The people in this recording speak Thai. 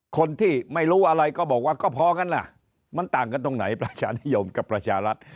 คนที่ไม่รู้อะไรก็บอกว่าก็พอกันล่ะมันต่างกันตรงไหนประชานิยมกับประชารัฐ